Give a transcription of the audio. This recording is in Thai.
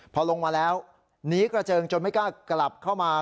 พอลงมาแล้วหนีกระเจิงจนไม่กล้ากลับเข้ามา